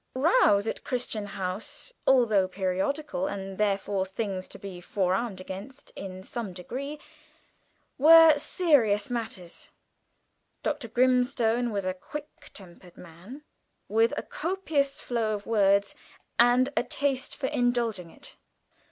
Rows at Crichton House, although periodical, and therefore things to be forearmed against in some degree, were serious matters. Dr. Grimstone was a quick tempered man, with a copious flow of words and a taste for indulging it.